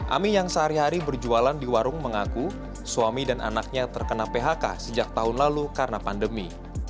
ami yang sehari hari berjualan di warung mengaku suami dan anaknya terkena phk sejak tahun lalu karena pandemi